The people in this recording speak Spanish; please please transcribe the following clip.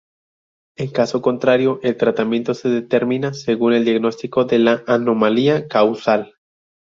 En caso contrario, el tratamiento se determina según el diagnóstico de la anomalía causal.